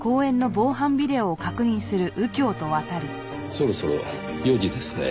そろそろ４時ですね。